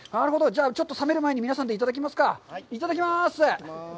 じゃあ、ちょっと冷める前に、皆さんでいただきましょうか。いただきます！